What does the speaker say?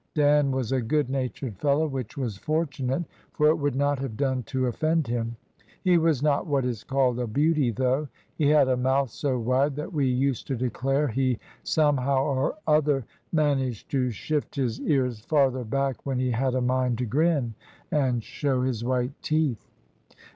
Dan was a good natured fellow, which was fortunate, for it would not have done to offend him. He was not what is called a beauty though; he had a mouth so wide that we used to declare he somehow or other managed to shift his ears farther back when he had a mind to grin, and show his white teeth.